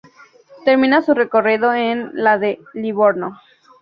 Termina su recorrido en la de Livorno.